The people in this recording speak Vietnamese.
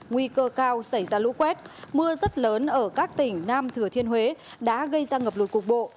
nguy cơ cao xảy ra lũ quét mưa rất lớn ở các tỉnh nam thừa thiên huế đã gây ra ngập lụt cục bộ